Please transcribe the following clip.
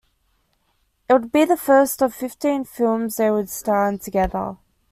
It would be the first of fifteen films they would star in together.